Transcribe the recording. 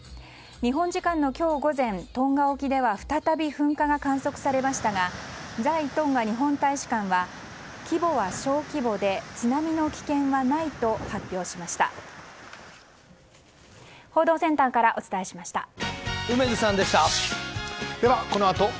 日本時間の今日午前トンガ沖では再び噴火が観測されましたが在トンガ日本大使館は規模は小規模で津波の危険はないと発表しました。